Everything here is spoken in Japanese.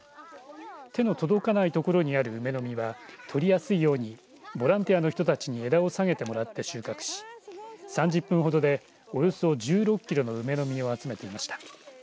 手の届かない所にある梅の実は取りやすいようにボランティアの人たちに枝を下げてもらって収穫し３０分ほどでおよそ１６キロの梅の実を集めていました。